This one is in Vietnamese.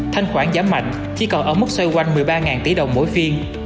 thanh khoản giảm mạnh chỉ còn ở mức xoay quanh một mươi ba tỷ đồng mỗi phiên